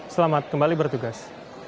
selamat kembali bertugas